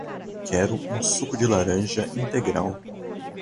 Quero um suco de laranja integral